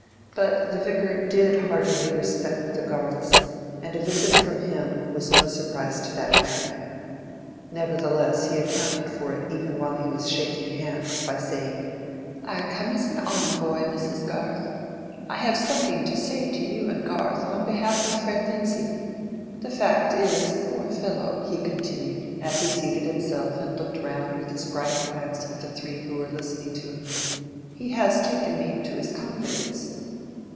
But the Vicar did heartily respect the Garths, and a visit from him was no surprise to that family. Nevertheless he accounted for it even while he was shaking hands, by saying, "I come as an envoy, Mrs. Garth: I have something to say to you and Garth on behalf of Fred Vincy. The fact is, poor fellow," he continued, as he seated himself and looked round with his bright glance at the three who were listening to him, "he has taken me into his confidence."